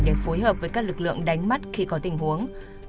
để phối hợp với các lực lượng đánh mắt khi có tình huống